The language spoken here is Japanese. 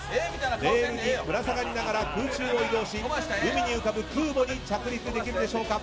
レールにぶら下がりながら空中を移動し海に浮かぶ空母に着陸できるでしょうか。